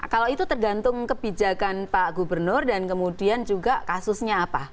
kalau itu tergantung kebijakan pak gubernur dan kemudian juga kasusnya apa